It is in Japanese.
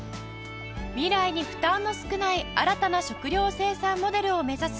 未来に負担の少ない新たな食料生産モデルを目指す